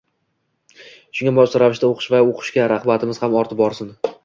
Shunga mos ravishda oʻqish va uqishga ragʻbatimiz ham ortib borsin